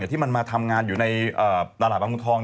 ที่มันมาทำงานอยู่ในตลาดบางเมืองทอง